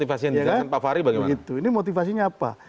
ini motivasinya apa